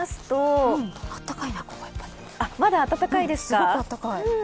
まだ暖かいですか。